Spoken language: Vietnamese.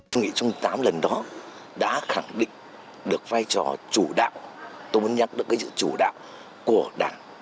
hội nghị trong tám lần đó đã khẳng định được vai trò chủ đạo tôi muốn nhắc được cái chữ chủ đạo của đảng